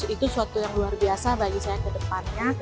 itu suatu yang luar biasa bagi saya ke depannya